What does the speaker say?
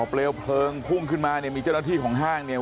เปลวเพลิงพุ่งขึ้นมาเนี่ยมีเจ้าหน้าที่ของห้างเนี่ย